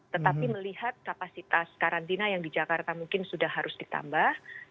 tetapi melihat kapasitas karantina yang di jakarta mungkin sudah harus ditambah